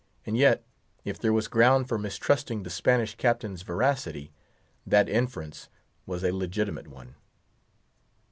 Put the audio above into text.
And yet, if there was ground for mistrusting his veracity, that inference was a legitimate one.